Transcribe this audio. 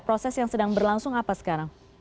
proses yang sedang berlangsung apa sekarang